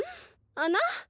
あな？